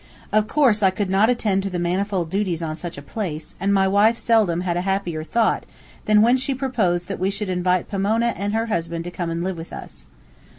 Of course I could not attend to the manifold duties on such a place, and my wife seldom had a happier thought than when she proposed that we should invite Pomona and her husband to come and live with us.